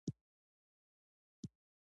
آیا د پښتنو ډوډۍ ډیره برکتي نه وي؟